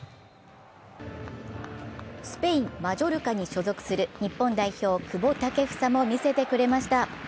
スペイン・マジョルカに所属する日本代表・久保建英も見せてくれました。